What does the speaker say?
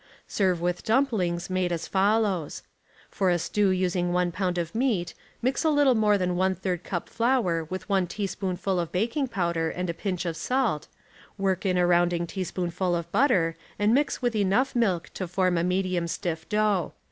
Serve with dumplings made as follows: For a stew using one j)onnd of meat mix a little more than one third cup 15 Hour with one teaspoonfiil of baking powdtr and a pincli of salt, work in a rounding teaspoonful of butter and mix with enough milk to form a medium stiff dough.